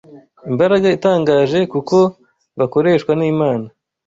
Imbaraga itangaje kuko bakoreshwa n’Imana